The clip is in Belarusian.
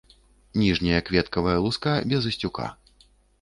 Ніжняя кветкавая луска без асцюка.